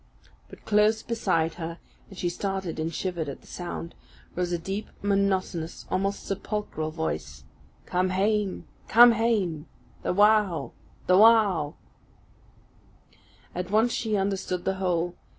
But close beside her and she started and shivered at the sound rose a deep, monotonous, almost sepulchral voice, "Come hame, come hame! The wow, the wow!" At once she understood the whole.